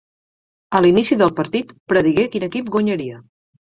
A l'inici del partit predigué quin equip guanyaria.